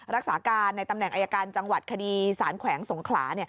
รักษาการในตำแหน่งอายการจังหวัดคดีสารแขวงสงขลา